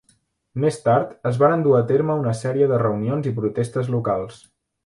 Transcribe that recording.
Més tard, es varen dur a terme una sèrie de reunions i protestes locals.